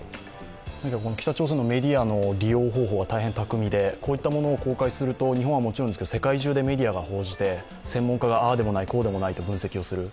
北朝鮮のメディアの利用方法は大変巧みでこういったものを公開すると日本はもちろんですけど世界中のメディアが報じて専門家がああでもない、こうでもないと分析する。